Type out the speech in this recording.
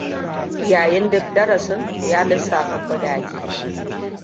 Yayin duk darasin, ya lissafa kudaje.